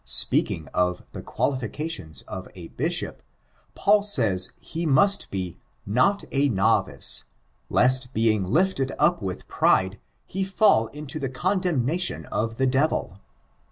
Speaking of the qualifi cations of a bishop, Paul says, he must be, ''Not a novice, lest being lifted up with pride — tuiplioiheii — ^he fall into the condemnation of the devil."